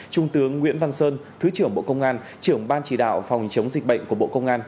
trung tướng nguyễn văn sơn thứ trưởng bộ công an trưởng ban chỉ đạo phòng chống dịch bệnh của bộ công an